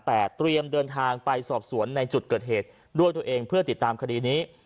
เตรียมเดินทางไปสอบสวนในจุดเกิดเหตุด้วยตัวเองเพื่อติดตามคดีนี้